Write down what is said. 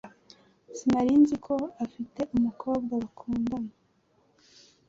Sinari nzi ko afite umukobwa bakundana.